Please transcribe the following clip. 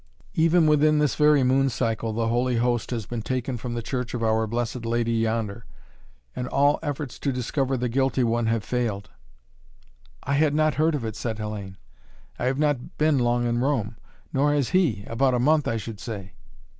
Even within this very moon cycle the Holy Host has been taken from the Church of Our Blessed Lady yonder. And all efforts to discover the guilty one have failed." "I had not heard of it," said Hellayne. "I have not been long in Rome. Nor has he. About a month, I should say."